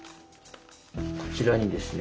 こちらにですね